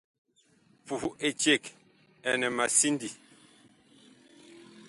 Puh eceg ɛnɛ ma sindii.